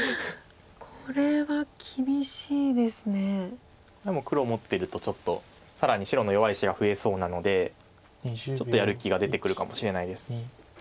これ黒持ってるとちょっと更に白の弱い石が増えそうなのでちょっとやる気が出てくるかもしれないです。